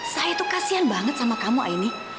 saya itu kasian banget sama kamu aini